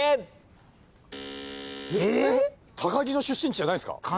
高木の出身地じゃないんですか？